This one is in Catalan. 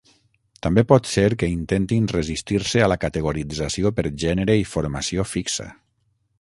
També pot ser que intentin resistir-se a la categorització per gènere i formació fixa.